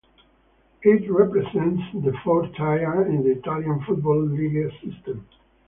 It represents the fourth tier in the Italian football league system.